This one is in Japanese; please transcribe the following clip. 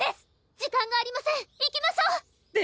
時間がありません行きましょう！って